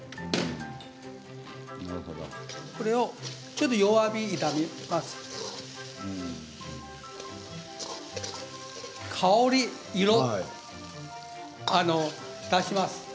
これをちょっと弱火で炒めます。